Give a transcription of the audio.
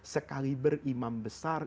sekaliber imam besar